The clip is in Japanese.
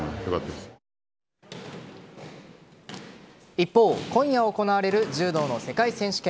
一方、今夜行われる柔道の世界選手権。